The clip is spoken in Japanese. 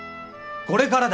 これからだ！